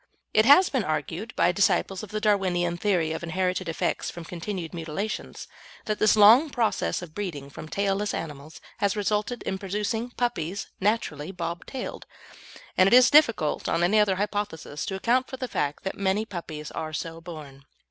It has been argued, by disciples of the Darwinian theory of inherited effects from continued mutilations, that a long process of breeding from tailless animals has resulted in producing puppies naturally bob tailed, and it is difficult, on any other hypothesis, to account for the fact that many puppies are so born.